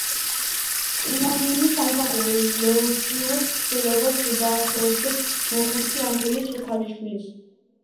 ტიმონის მსახური, ლუციუსი, ცდილობს დაუახლოვდეს მოხუცი ათენელის ქალიშვილს.